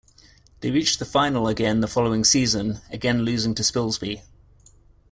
They reached the final again the following season, again losing to Spilsby.